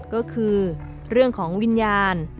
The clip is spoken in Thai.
ก็คือเรื่องของวิญญาณ